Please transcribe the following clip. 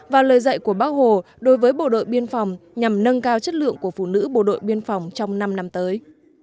và lời dạy của bác hồ đối với bộ đội biên phòng nhằm nâng cao chất lượng của phụ nữ bộ đội biên phòng trong năm năm tới